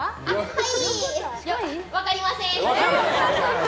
はい分かりません。